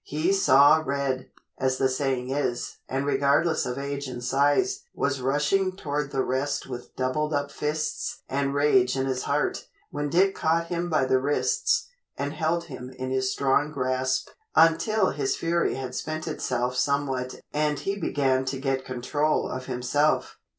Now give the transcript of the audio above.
He "saw red," as the saying is, and regardless of age and size was rushing toward the rest with doubled up fists and rage in his heart, when Dick caught him by the wrists and held him in his strong grasp until his fury had spent itself somewhat and he began to get control of himself.